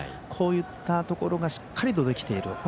こういったところがしっかりとできている